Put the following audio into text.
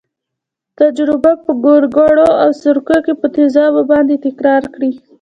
تجربه په ګوګړو او سرکې په تیزابونو باندې تکرار کړئ.